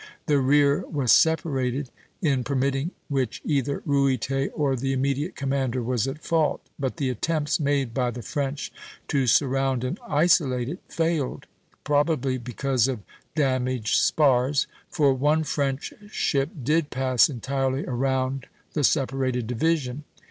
The rear was separated (C'), in permitting which either Ruyter or the immediate commander was at fault; but the attempts made by the French to surround and isolate it failed, probably because of damaged spars, for one French ship did pass entirely around the separated division.